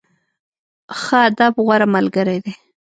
ښه ادب، غوره ملګری دی.